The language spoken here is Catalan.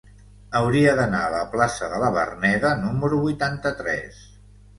Hauria d'anar a la plaça de la Verneda número vuitanta-tres.